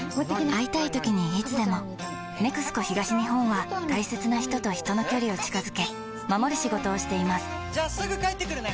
会いたいときにいつでも「ＮＥＸＣＯ東日本」は大切な人と人の距離を近づけ守る仕事をしていますじゃあすぐ帰ってくるね！